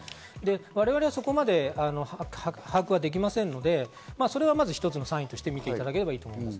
我々はそこまで把握はできませんので、それが一つのサインと見ていただければと思います。